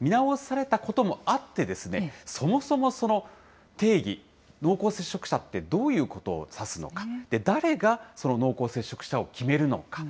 見直されたこともあって、そもそも、その定義、濃厚接触者ってどういうことを指すのか、誰が、その濃厚接触者を決めるのか。